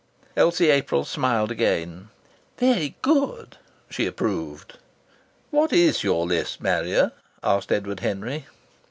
Elsie April smiled again: "Very good!" she approved. "What is your list, Marrier?" asked Edward Henry.